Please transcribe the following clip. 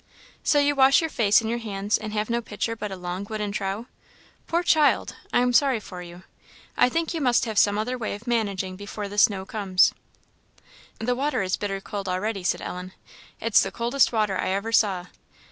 "So you wash your face in your hands, and have no pitcher but a long wooden trough? Poor child! I am sorry for you; I think you must have some other way of managing before the snow comes." "The water is bitter cold already," said Ellen; "it's the coldest water I ever saw.